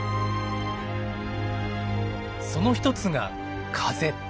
その１つが風。